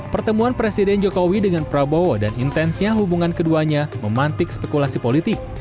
pertemuan presiden jokowi dengan prabowo dan intensnya hubungan keduanya memantik spekulasi politik